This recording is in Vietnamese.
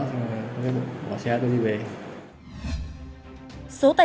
xong rồi tôi bỏ xe tôi đi về